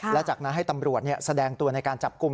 และจากนั้นให้ตำรวจแสดงตัวในการจับกลุ่ม